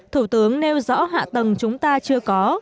thủ tướng nêu rõ hạ tầng chúng ta chưa có